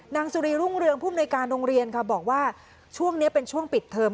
นางสุรีรุ่งเรืองผู้มนุยการโรงเรียนค่ะบอกว่าช่วงนี้เป็นช่วงปิดเทอม